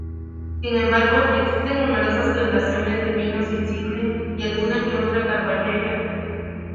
Sin embargo, existen numerosas plantaciones de pinos insigne y alguna que otra carballeira.